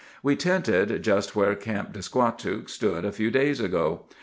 We tented just where Camp de Squatook stood a few days ago.